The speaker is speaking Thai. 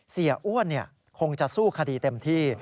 เสียอ้วนคงจะสู้คดีเต็มที่